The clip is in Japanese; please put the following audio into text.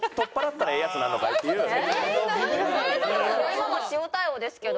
今も塩対応ですけど。